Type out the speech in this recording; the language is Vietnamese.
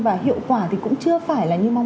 và hiệu quả thì cũng chưa phải là như mong muốn ạ